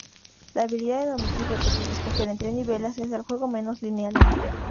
La habilidad de omitir, repetir o escoger entre niveles hace al juego menos lineal.